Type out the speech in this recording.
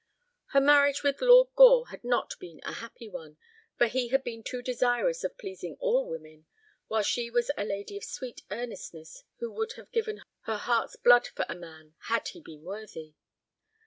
Her marriage with Lord Gore had not been a happy one, for he had been too desirous of pleasing all women, while she was a lady of sweet earnestness who would have given her heart's blood for a man—had he been worthy.